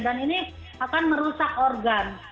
dan ini akan merusak organ